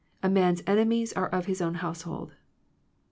A man's ene mies are of his own household."